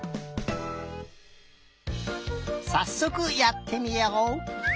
さっそくやってみよう！